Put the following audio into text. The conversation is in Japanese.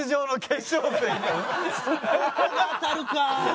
ここが当たるか。